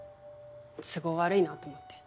都合悪いなと思って。